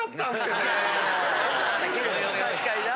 確かにな。